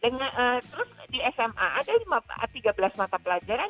nah terus di sma ada tiga belas mata pelajaran